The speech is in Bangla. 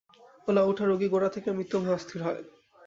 ওলাউঠা রোগী গোড়া থেকেই মৃত্য ভয়ে অস্থির হয়।